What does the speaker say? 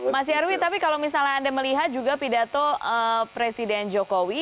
mas nyarwi tapi kalau misalnya anda melihat juga pidato presiden jokowi